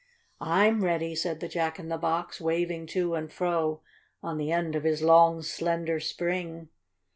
"I'm ready!" said the Jack in the Box, waving to and fro on the end of his long, slender spring.